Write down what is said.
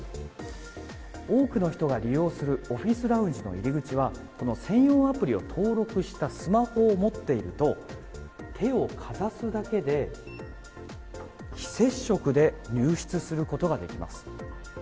多くの人が利用するオフィスラウンジの入り口はこの専用アプリを登録したスマホを持っていると手をかざすだけで非接触で入室することができます。